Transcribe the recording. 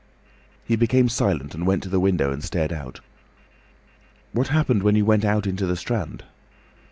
He became silent and went to the window and stared out. "What happened when you went out into the Strand?"